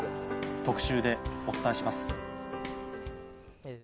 特集でお伝えします。